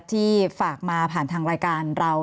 ที่ฝากมาผ่านทางรายการเรา